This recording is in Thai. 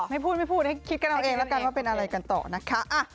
ไม่พูดไม่พูดให้คิดกันเอาเองแล้วกันว่าเป็นอะไรกันต่อนะคะ